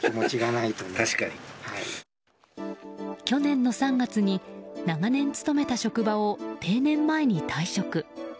去年の３月に長年勤めた職場を定年前に退職。